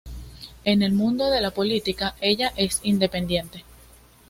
En el mundo de la política ella es independiente.